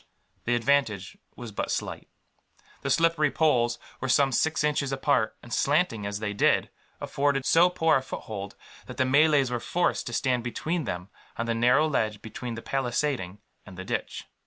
The advantage was but slight. The slippery poles were some six inches apart and, slanting as they did, afforded so poor a foothold that the Malays were forced to stand between them, on the narrow ledge between the palisading and the ditch.